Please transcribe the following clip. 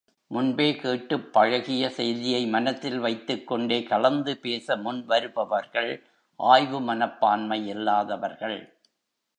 முன்பே கேட்டு பழகிய செய்தியை மனத்தில் வைத்துக் கொண்டே கலந்து பேச முன்வருபவர்கள் ஆய்வு மனப்பான்மை இல்லாதவர்கள்.